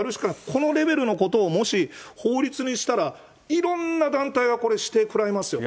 このレベルのことをもし法律にしたら、いろんな団体が、これ、指定食らいますよ。